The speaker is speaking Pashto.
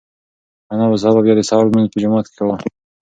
انا به سبا بیا د سهار لمونځ په جومات کې کوي.